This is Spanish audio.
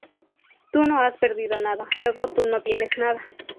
Tú no has perdido nada, luego tú no tienes nada".